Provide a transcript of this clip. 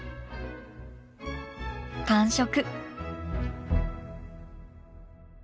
完食！